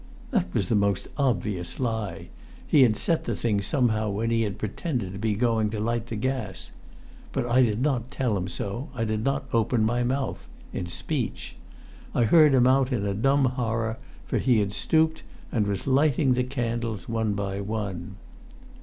That was the most obvious lie. He had set the thing somehow when he had pretended to be going to light the gas. But I did not tell him so. I did not open my mouth in speech. I heard him out in a dumb horror; for he had stooped, and was lighting the candles one by one.